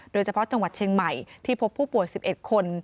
โดยเฉพาะจังหวัดเชียงใหม่ที่พบผู้ป่วย๑๑คน